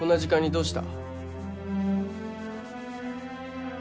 どうした？